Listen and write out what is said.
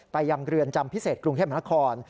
ไปยังเรือนจำพิเศษกรุงเทพมนาคม